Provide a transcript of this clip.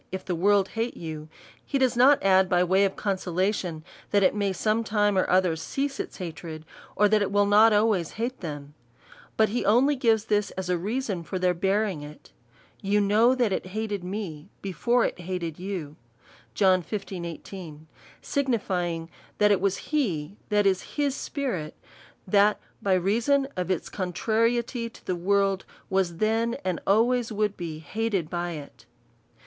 If the world hate you, (he does not add by way of consolation, that it may some time or other cease its hatred, or that it will not always hate them ; but he only gives this as a reason for their bearing it). You know that it hated me he fore it hated 2/ou: signifying, that it was he, that is, his spirit, that by reason of its contrariety to the world, was then, and always would be hated by it.